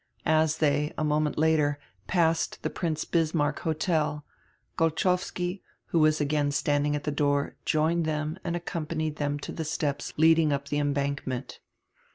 As they, a moment later, passed die Prince Bismarck Hotel, Golchowski, who was again standing at die door, joined diem and accompanied diem to die steps leading up die embankment.